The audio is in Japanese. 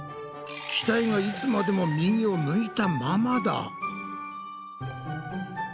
機体がいつまでも右を向いたままだ！